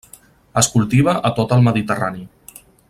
Es cultiva a tot el Mediterrani.